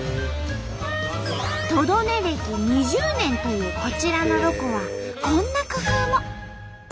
トド寝歴２０年というこちらのロコはこんな工夫も。